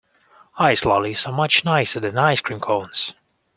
Ice lollies are much nicer than ice cream cones